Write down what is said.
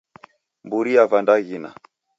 Mburi yava ndaghina.